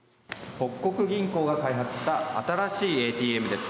北國銀行が開発した新しいＡＴＭです。